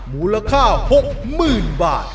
มูลค่า๖๐๐๐บาท